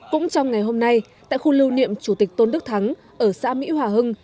cũng trong ngày hôm nay tại khu lưu niệm chủ tịch tôn đức thắng ở xã mỹ hòa hưng